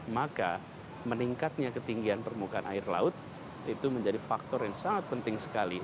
maka meningkatnya ketinggian permukaan air laut itu menjadi faktor yang sangat penting sekali